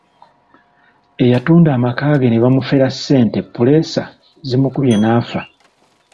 Eyatunda amaka ge ne bamufera ssente puleesa zimukubye n’afa.